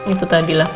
itu tadi lah